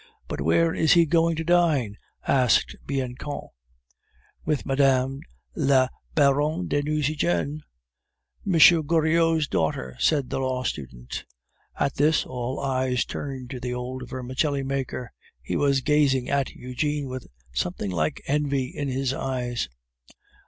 "But where is he going to dine?" asked Bianchon. "With Madame la Baronne de Nucingen." "M. Goriot's daughter," said the law student. At this, all eyes turned to the old vermicelli maker; he was gazing at Eugene with something like envy in his eyes.